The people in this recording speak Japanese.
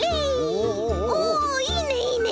おおいいねいいね。